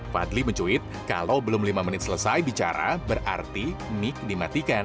fadli mencuit kalau belum lima menit selesai bicara berarti mic dimatikan